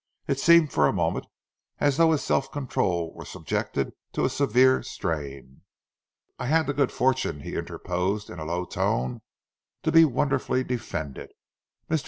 It seemed for a moment as though his self control were subjected to a severe strain. "I had the good fortune," he interposed, in a low tone, "to be wonderfully defended. Mr.